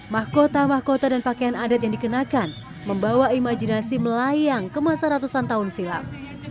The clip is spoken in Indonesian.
mahkota mahkota dan pakaian adat yang dikenakan membawa imajinasi melayang ke masa ratusan tahun silam